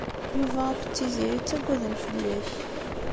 Yuba akked Tiziri ttagaden fell-ak.